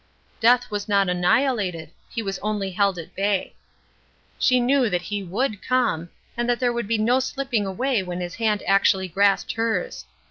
Death was not annihilated he was only held at bay. She knew that he would come, and that there would be no slipping away when his hand actually grasped hers.